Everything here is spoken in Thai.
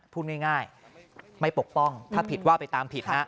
พูดง่ายไม่ปกป้องถ้าผิดว่าไปตามผิดฮะ